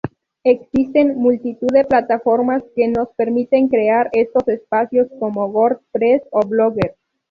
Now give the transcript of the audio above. Existen multitud de plataformas que nos permiten crear estos espacios como WordPress o Blogger.